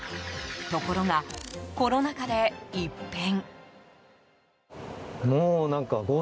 ところが、コロナ禍で一変。